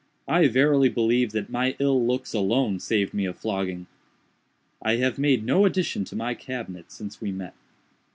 I verily believe that my ill looks alone saved me a flogging. "I have made no addition to my cabinet since we met.